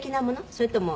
それとも」